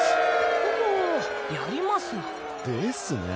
ほほやりますな。ですなぁ。